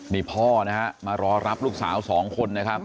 นี่พ่อนะฮะมารอรับลูกสาวสองคนนะครับ